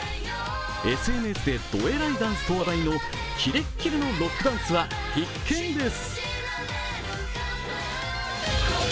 ＳＮＳでどえらいダンスとして話題のキレッキレのロックダンスは必見です。